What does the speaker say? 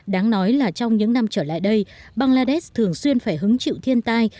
đáng nói là trong những năm trở lại đây bangladesh thường xuyên phải hứng chịu thiên tai